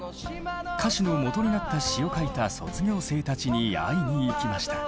歌詞のもとになった詩を書いた卒業生たちに会いに行きました。